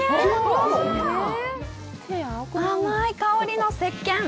甘い香りの石けん！